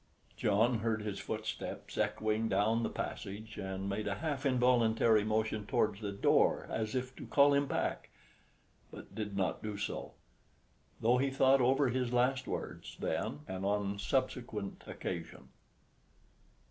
John heard his footsteps echoing down the passage and made a half involuntary motion towards the door as if to call him back, but did not do so, though he thought over his last words then and on a subsequent occasion.